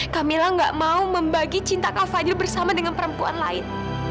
camilla gak mau membagi cinta ka fadil bersama dengan perempuan lain